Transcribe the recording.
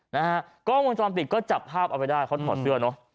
นะฮะกล้องวงจรปิดก็จับภาพเอาไว้ได้เขาถอดเสื้อเนอะ